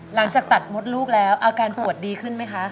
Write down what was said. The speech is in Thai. หลังจากตัดมดลูกแล้วอาการปวดดีขึ้นไหมคะ